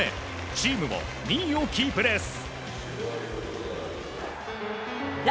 チームも２位をキープです。